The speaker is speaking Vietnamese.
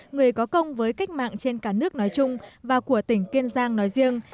người có công với cách mạng trên cả nước nói chung và của tỉnh kiên giang nói riêng